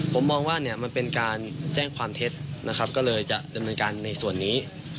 ผมมองว่าเนี่ยมันเป็นการแจ้งความเท็จนะครับก็เลยจะดำเนินการในส่วนนี้